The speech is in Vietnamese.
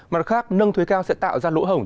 mặt khác nâng thuế cao sẽ tạo ra lỗ hổ